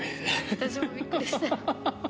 私もびっくりした。